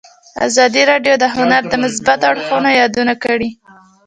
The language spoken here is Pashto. ازادي راډیو د هنر د مثبتو اړخونو یادونه کړې.